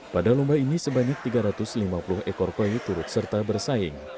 pada lomba ini sebanyak tiga ratus lima puluh ekor kayu turut serta bersaing